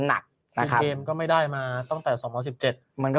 หนักนะครับเกมก็ไม่ได้มาตั้งแต่สองร้อยสิบเจ็ดมันก็